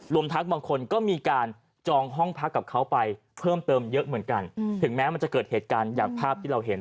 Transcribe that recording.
รวมทั้งบางคนก็มีการจองห้องพักกับเขาไปเพิ่มเติมเยอะเหมือนกันถึงแม้มันจะเกิดเหตุการณ์อย่างภาพที่เราเห็น